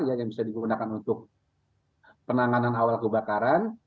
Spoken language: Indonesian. yang bisa digunakan untuk penanganan awal kebakaran